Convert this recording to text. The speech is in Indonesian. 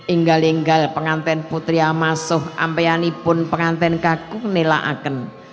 inggal inggal penganten putri amasuh ampeani pun penganten kagum nilaaken